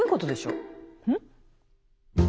うん？